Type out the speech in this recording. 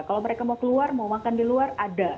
kalau mereka mau keluar mau makan di luar ada